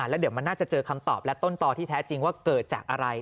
แล้วเดี๋ยวมันน่าจะเจอคำตอบและต้นต่อที่แท้จริงว่าเกิดจากอะไร